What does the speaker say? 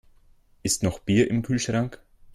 Ist noch Bier im Kühlschrank?